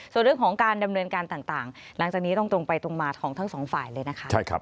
ส่วนเรื่องของการดำเนินการต่างหลังจากนี้ต้องตรงไปตรงมาของทั้งสองฝ่ายเลยนะคะ